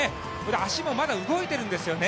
足もまだ動いているんですよね。